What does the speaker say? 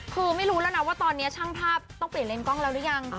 คือไม่รู้แล้วนะว่าตอนนี้ช่างภาพต้องเปลี่ยนเลนสกล้องแล้วหรือยัง